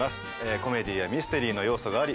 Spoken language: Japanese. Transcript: コメディーやミステリーの要素があり